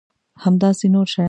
همداسې نور شیان.